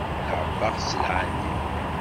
Ɛebbaɣ sselɛa-nni.